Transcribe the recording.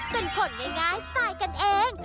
เป็นผลง่ายสไตล์กันเอง